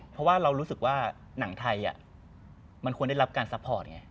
เพราะว่าเรารู้สึกว่าหนังไทยมันควรได้รับการซัพพอร์ตไง